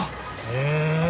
へえ。